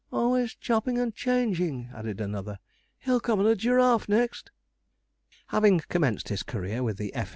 'Always chopping and changing,' added another; 'he'll come on a giraffe next.' Having commenced his career with the 'F.